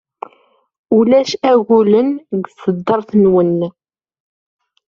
Ulac agulen deg tṣeddart-nwent.